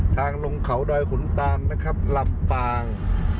ลงเขาดอยขุนตานนะครับลำปาง